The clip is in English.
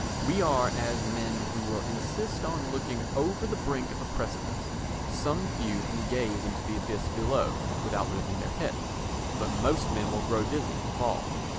We are as men who will insist on looking over the brink of a precipice; some few can gaze into the abyss below without losing their heads, but most men will grow dizzy and fall.